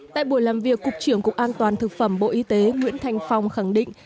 tại buổi làm việc cục trưởng cục an toàn thực phẩm bộ y tế nguyễn thành phong khẳng định